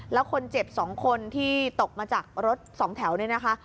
แล้วคนเจ็บ๒คนที่ตกมาจากรถสองแถวเนี่ยนะคะ